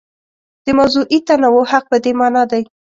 د موضوعي تنوع حق په دې مانا دی.